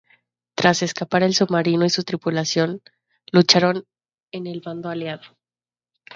Tras escapar el submarino y su tripulación lucharon en el bando aliado.